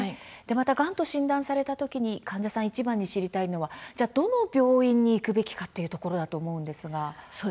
がんと診断された時に患者さんがいちばん知りたいのはどの病院に行くべきかというところだと思うんですが。